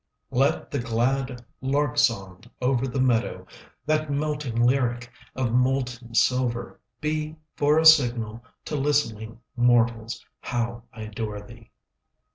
Let the glad lark song Over the meadow, 30 That melting lyric Of molten silver, Be for a signal To listening mortals, How I adore thee.